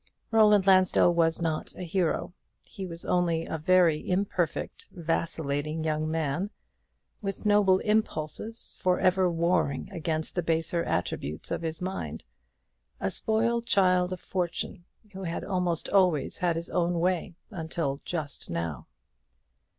Roland Lansdell was not a hero; he was only a very imperfect, vacillating young man, with noble impulses for ever warring against the baser attributes of his mind; a spoiled child of fortune, who had almost always had his own way until just now.